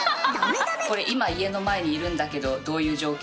「これ今家の前にいるんだけどどういう状況？」